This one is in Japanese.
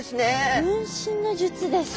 分身の術ですか。